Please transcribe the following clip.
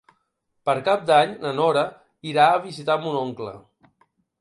Per Cap d'Any na Nora irà a visitar mon oncle.